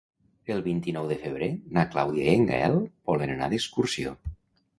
El vint-i-nou de febrer na Clàudia i en Gaël volen anar d'excursió.